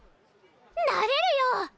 なれるよ！